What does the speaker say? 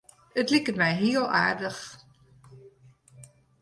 It liket my heel aardich.